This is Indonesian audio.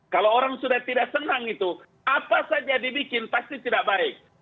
kalau orang sudah tidak senang itu apa saja dibikin pasti tidak baik